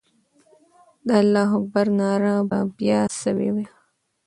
د الله اکبر ناره به بیا سوې وه.